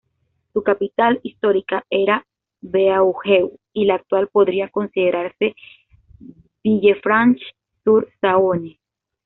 Su capital histórica era Beaujeu y la actual podría considerarse Villefranche-sur-Saône.